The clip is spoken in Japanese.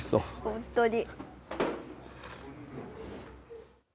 本当に。